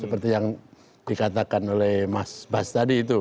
seperti yang dikatakan oleh mas bas tadi itu